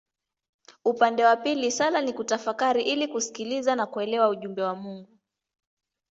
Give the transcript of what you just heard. Upande wa pili sala ni kutafakari ili kusikiliza na kuelewa ujumbe wa Mungu.